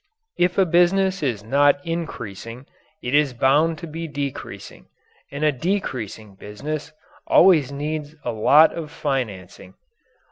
If a business is not increasing, it is bound to be decreasing, and a decreasing business always needs a lot of financing.